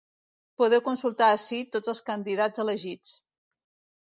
Podeu consultar ací tots els candidats elegits.